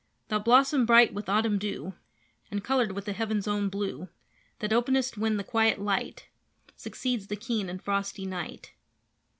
"Thou blossom bright with autumn dew, And coloured with the heaven's own blue, That openest when, the quiet light, Succeeds the keen and frosty night."